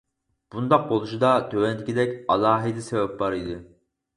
بۇنداق بولۇشىدا تۆۋەندىكىدەك ئالاھىدە سەۋەب بار ئىدى.